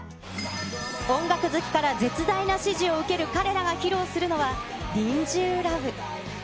音楽好きから絶大な支持を受ける彼らが披露するのは、リンジュー・ラヴ。